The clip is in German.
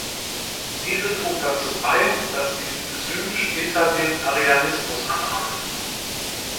Diese trug dazu bei, dass die Sueben später den Arianismus annahmen.